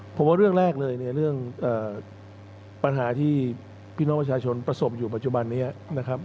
ผมว่าเรื่องแรกเลยเนี่ยเรื่องปัญหาที่พี่น้องประชาชนประสบอยู่ปัจจุบันนี้นะครับ